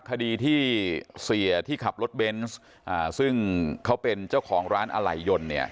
คดีที่เสียที่ขับรถเบนส์ซึ่งเขาเป็นเจ้าของร้านอะไหล่ยนต์เนี่ย